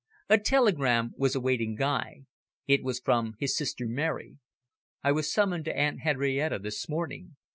A telegram was awaiting Guy. It was from his sister Mary. "I was summoned to Aunt Henrietta this morning.